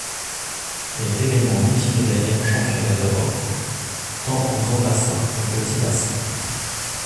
Il est également multi-médaillé en championnats d'Europe, tant en grand bassin qu'en petit bassin.